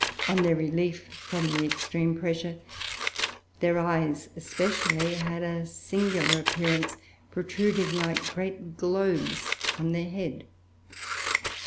On their relief from the extreme pressure, their eyes, especially, had a singular appearance, protruding like great globes from their heads.